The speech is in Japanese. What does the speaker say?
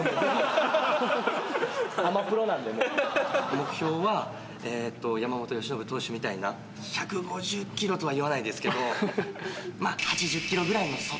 目標は山本由伸投手みたいな１５０キロとは言わないですけど８０キロぐらいの外。